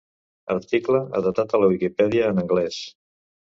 Article adaptat de la Wikipedia en anglès.